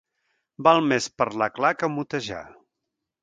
Val més parlar clar que motejar.